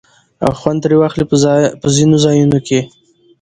او خوند ترې واخلي په ځينو ځايو کې